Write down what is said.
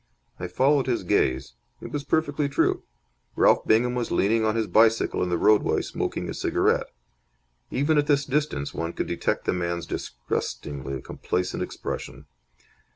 I followed his gaze. It was perfectly true. Ralph Bingham was leaning on his bicycle in the roadway, smoking a cigarette. Even at this distance one could detect the man's disgustingly complacent expression.